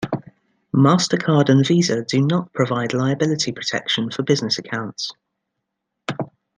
MasterCard and Visa do not provide liability protection for business accounts.